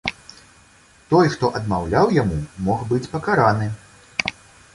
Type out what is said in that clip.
Той, хто адмаўляў яму, мог быць пакараны.